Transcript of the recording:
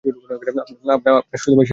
আপনার সে সেতার কোথায়?